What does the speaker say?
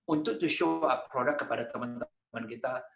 untuk menunjukkan produk kepada teman teman kita